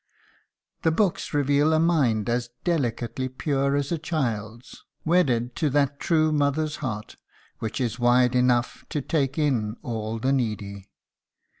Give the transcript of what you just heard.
The books reveal a mind as delicately pure as a child's, wedded to that true mother's heart which is wide enough to take in all the needy.